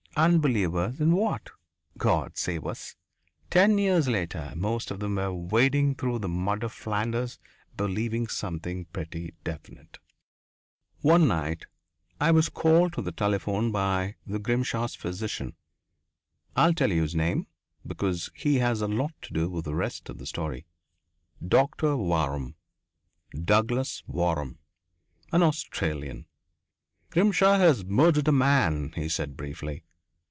Unbelievers in what? God save us! Ten years later most of them were wading through the mud of Flanders, believing something pretty definite One night I was called to the telephone by the Grimshaws' physician. I'll tell you his name, because he has a lot to do with the rest of the story Doctor Waram, Douglas Waram an Australian. "Grimshaw has murdered a man," he said briefly.